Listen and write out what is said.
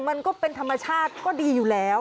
มันก็เป็นธรรมชาติก็ดีอยู่แล้ว